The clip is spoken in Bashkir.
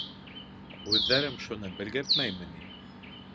Күҙҙәрем шуны белгертмәйме ни?